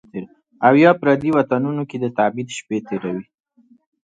او یا، پردیو وطنونو کې د تبعید شپې تیروي